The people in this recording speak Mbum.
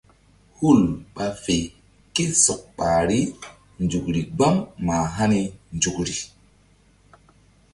Hul ɓa fe ké sɔk ɓahri nzukri gbam mah hani nzukri.